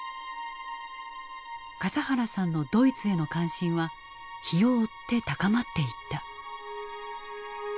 笠原さんのドイツへの関心は日を追って高まっていった。